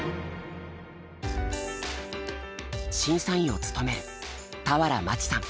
審査員を務める俵万智さん。